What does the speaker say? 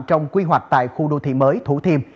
trong quy hoạch tại khu đô thị mới thủ thiêm